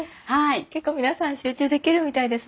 結構皆さん集中できるみたいですね。